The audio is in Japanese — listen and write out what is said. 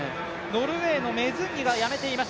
ノルウェーのメズンギがやめています。